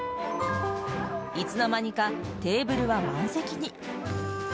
いつの間にか、テーブルは満席に。